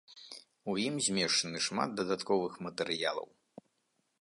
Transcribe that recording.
У ім змешчаны шмат дадатковых матэрыялаў.